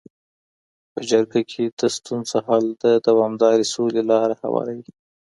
په جرګه کي د ستونزو حل د دوامداري سولي لاره هواروي.